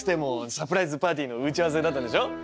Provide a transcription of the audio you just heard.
サプライズパーティーの打ち合わせだったんでしょ？